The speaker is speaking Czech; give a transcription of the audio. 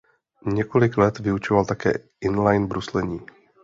Několik let vyučoval také inline bruslení.